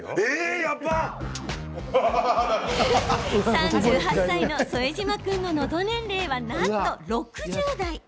３８歳の副島君ののど年齢は、なんと６０代。